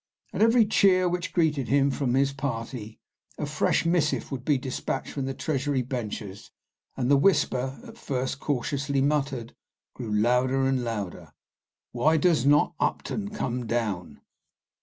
At every cheer which greeted him from his party a fresh missive would be despatched from the Treasury benches, and the whisper, at first cautiously muttered, grew louder and louder, "Why does not Upton come down?"